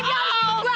dia harus ikut gua